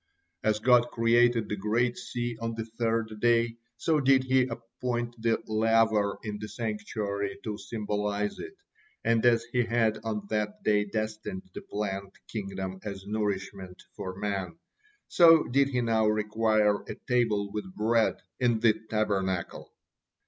As God created the great sea on the third say, so did He appoint the laver in the sanctuary to symbolize it, and as He had on that day destined the plant kingdom as nourishment for man, so did He now require a table with bread in the Tabernacle.